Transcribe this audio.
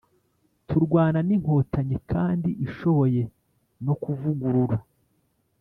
turwana n’inkotanyi kandi ishoboye no kuvugurura